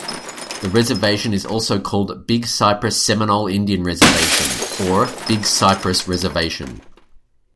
The reservation is also called "Big Cypress Seminole Indian Reservation" or "Big Cypress Reservation".